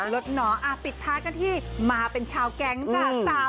รถหนอปิดท้ายกันที่มาเป็นชาวแก๊งจ้า